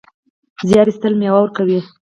زیار ایستل مېوه ورکوي